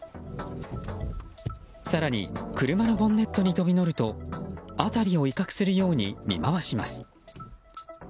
更に車のボンネットに飛び乗ると辺りを威嚇するように見回します。